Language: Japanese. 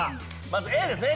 まずＡですね。